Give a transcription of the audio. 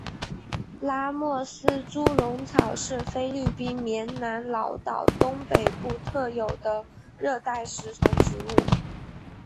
拉莫斯猪笼草是菲律宾棉兰老岛东北部特有的热带食虫植物。